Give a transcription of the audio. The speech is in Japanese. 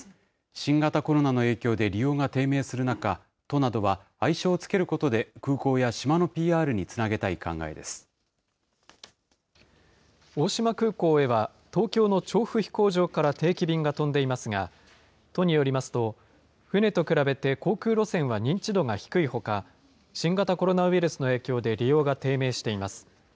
新型コロナの影響で利用が低迷する中、都などは愛称を付けることで、空港や島のＰＲにつなげたい考えで大島空港へは、東京の調布飛行場から定期便が飛んでいますが、都によりますと、船と比べて航空路線は認知度が低いほか、新型コロナウイルスの影響で利用が低迷しています。